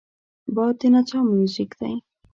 باد د نڅا موزیک دی